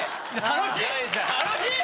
楽しい！